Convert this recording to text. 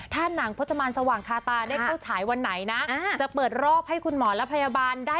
ถ้าหนังพจมันสว่างคาตาได้เข้าฉายวันไหนนะ